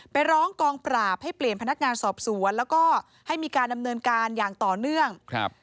ไปร้องกองปราบให้เปลี่ยนพนักงานสอบสวนแล้วก็ให้มีการดำเนินการอย่างต่อเนื่องครับ